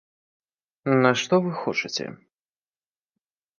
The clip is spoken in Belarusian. А што вы хочаце?